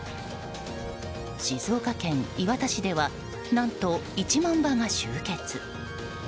静岡県磐田市では何と１万羽が集結。